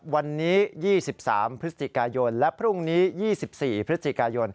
วันนี้๒๓พยและพรุ่งนี้๒๔พย